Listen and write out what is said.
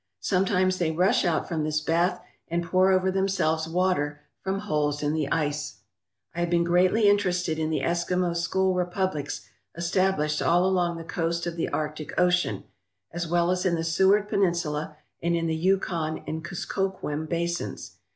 Sometimes they rush out from this bath and pour over themselves water from holes in the ice. I have been greatly interested in the Eskimo school republics established all along the coast of the Arctic Ocean, as well as in the Seward Peninsula and in the Yukon and Kuskokwim basins.